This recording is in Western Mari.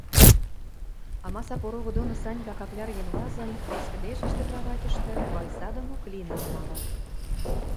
Амаса порогы доны Санька каклярген вазын, вес кӹдежӹштӹ, краватьышты, Вайса дон Оклина амалат.